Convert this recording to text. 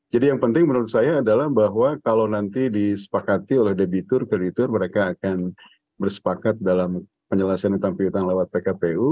jadi yang penting menurut saya adalah bahwa kalau nanti disepakati oleh debitur kreditur mereka akan bersepakat dalam penyelesaian utang kreditur lewat pkpu